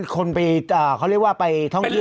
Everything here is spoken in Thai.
คนไปเขาเรียกว่าไปท่องเที่ยว